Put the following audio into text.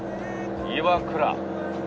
岩倉。